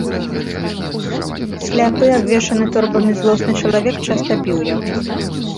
Сляпы, абвешаны торбамі злосны чалавек, часта біў яго.